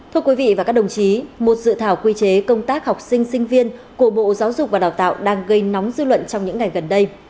thưa quý vị và các đồng chí một dự thảo quy chế công tác học sinh sinh viên của bộ giáo dục và đào tạo đang gây nóng dư luận trong những ngày gần đây